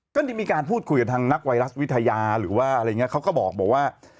ก็ได้มีการพูดคุยกับทางนักไวรัสวิทยาหรือว่าอะไรอย่างนี้เขาก็บอกว่า